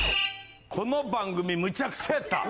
この番組むちゃくちゃやった。